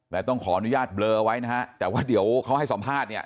แต่ต้องขออนุญาตเบลอไว้นะฮะแต่ว่าเดี๋ยวเขาให้สัมภาษณ์เนี่ย